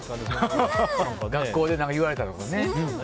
学校で言われたとかね。